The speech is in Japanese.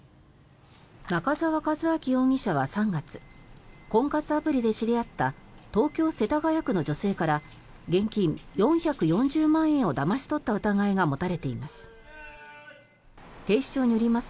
仲沢一晃容疑者は３月婚活アプリで知り合った東京・世田谷区の女性から現金４４０万円をだまし取った疑いが持たれています。